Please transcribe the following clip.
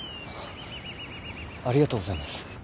ありがとうございます。